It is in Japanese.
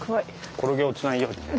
転げ落ちないようにね。